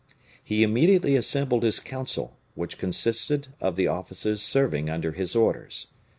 He immediately assembled his council, which consisted of the officers serving under his orders.